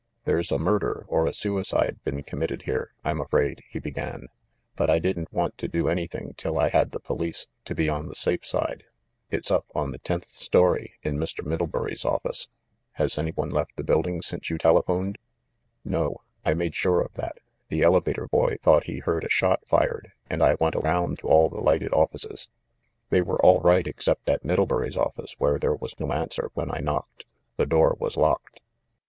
"There's a murder or a suicide been committed here, I'm afraid," he began; "but I didn't want to do any thing1 till I had the police, to be on the safe side. It's up on the tenth story, in Mr. Middlebury's office." "Has any one left the building since you tele phoned?" "No, I made sure of that. The elevator boy thought he heard a shot fired, and I went around to all the lighted offices. They were all right except at Middle bury's office, where there was no answer when I knocked. The door was locked."